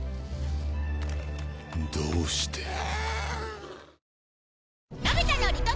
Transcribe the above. どうして。